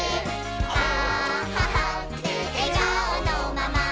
あははってえがおのまま」